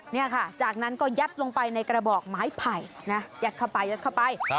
นี่ค่ะจากนั้นก็ยัดลงไปในกระบอกไม้ไผ่นะยัดเข้าไปยัดเข้าไป